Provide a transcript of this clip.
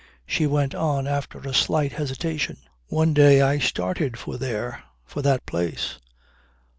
She went on after a slight hesitation: "One day I started for there, for that place."